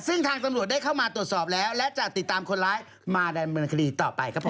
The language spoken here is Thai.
ซึ่งทางตำรวจได้เข้ามาโทรสอบแล้วและจะติดตามคนร้ายมาดึงบนกรีต่อไป